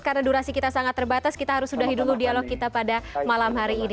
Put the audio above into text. karena durasi kita sangat terbatas kita harus sudahi dulu dialog kita pada malam hari ini